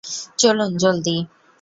চলুন, জলদি!